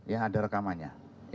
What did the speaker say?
ya ada rekamannya